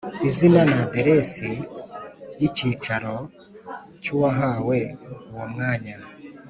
Izina na aderesi y icyicaro cy uwahawe uwo mwanya